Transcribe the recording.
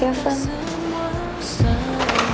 maaf pak ivan siap masuk